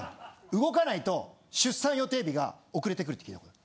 動かないと出産予定日が遅れてくるって聞いたことある。